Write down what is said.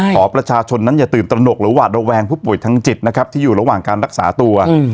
ขอประชาชนนั้นอย่าตื่นตระหนกหรือหวาดระแวงผู้ป่วยทางจิตนะครับที่อยู่ระหว่างการรักษาตัว